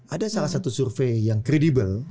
ada salah satu survei yang kredibel